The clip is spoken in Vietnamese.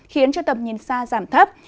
khiến cho tầm nhìn xa giảm thấp